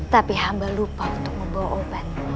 tapi hamba lupa untuk membawa obat